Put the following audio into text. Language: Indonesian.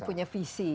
dan punya visi